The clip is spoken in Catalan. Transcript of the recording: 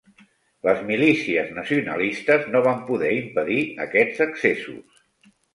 Les milícies nacionalistes no van poder impedir aquests excessos.